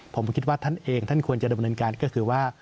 ผมคิดว่าท่านเองท่านควรจะดำเนินการก็คือว่า